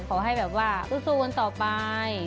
ขอให้แบบว่าสู้กันต่อไป